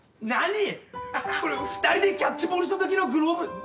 これ２人でキャッチボールしたときのグローブ。